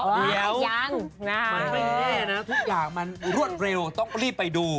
เดี๋ยวยังมันไม่แน่นะทุกอย่างมันรวดเร็วต้องรีบไปดู